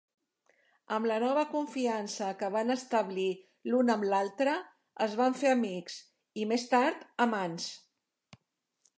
Amb la nova confiança que van establir l'un amb l'altre, es van fer amics i, més tard, amants.